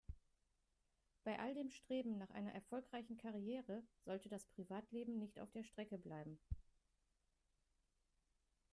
Bei all dem Streben nach einer erfolgreichen Karriere sollte das Privatleben nicht auf der Strecke bleiben.